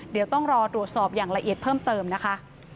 เดี๋ยวต้องรอตรวจสอบอย่างละเอียดเพิ่มเติมนะคะ